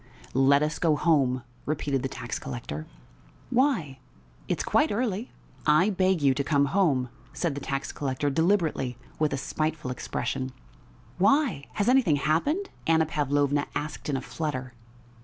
"Let us go home," repeated the tax collector. "Why? It's quite early!" "I beg you to come home!" said the tax collector deliberately, with a spiteful expression. "Why? Has anything happened?" Anna Pavlovna asked in a flutter.